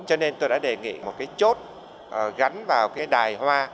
cho nên tôi đã đề nghị một cái chốt gắn vào cái đài hoa